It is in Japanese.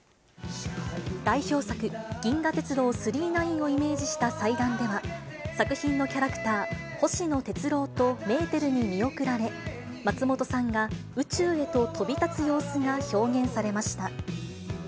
代表作、銀河鉄道９９９をイメージした祭壇では、作品のキャラクター、星野鉄郎とメーテルに見送られ、松本さんが宇宙へと飛び立つ様子が表現されました。